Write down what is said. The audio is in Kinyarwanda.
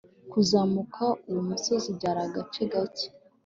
Kuzamuka uwo musozi byari agace kake